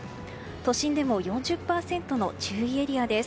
都心でも４０％の注意エリアです。